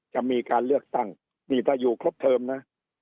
จะมีการเลือกตั้งนี่ถ้าอยู่ครบเทอมนะ